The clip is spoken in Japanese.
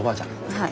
はい。